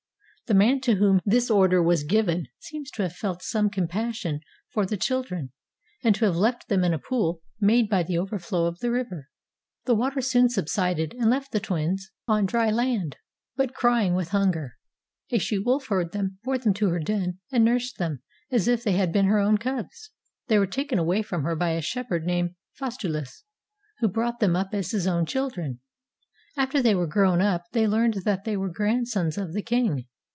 The man to whom this order was given seems to have felt some compassion for the children and to have left them in a pool made by the over flow of the river. The water soon subsided and left the twins on dry land, but crying with hunger. A she wolf heard them, bore them to her den, and nursed them as if they had been her own cubs. They were taken away from her by a shep herd named Faustulus, who brought them up as his own chil dren. After they were grown up, they learned that they were grandsons of the king.